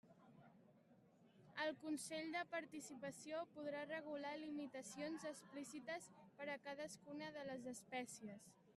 El Consell de Participació podrà regular limitacions explícites per a cadascuna de les espècies.